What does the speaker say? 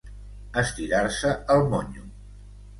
Estirar-se el monyo.